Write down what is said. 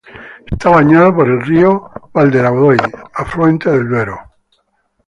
Está bañado por el río Valderaduey, afluente del Duero.